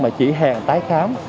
mà chỉ hẹn tái khám